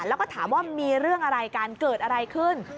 แล้วก็ถามว่ามีเรื่องอะไรกันเกิดอะไรขึ้น